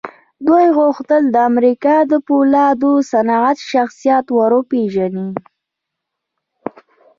دوی غوښتل د امريکا د پولادو صنعت شخصيت ور وپېژني.